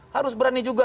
harus berani juga